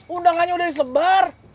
undangannya udah disebar